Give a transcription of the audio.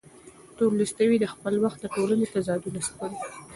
تولستوی د خپل وخت د ټولنې تضادونه سپړي.